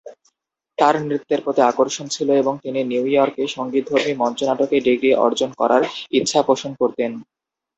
তার নৃত্যের প্রতি আকর্ষণ ছিল এবং তিনি নিউ ইয়র্কে সঙ্গীতধর্মী মঞ্চনাটকে ডিগ্রি অর্জন করার ইচ্ছা পোষণ করতেন।